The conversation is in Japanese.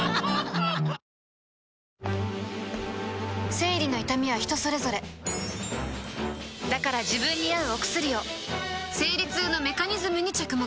生理の痛みは人それぞれだから自分に合うお薬を生理痛のメカニズムに着目